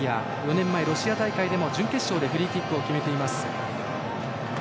４年前、ロシア大会でも準決勝でフリーキックを決めています。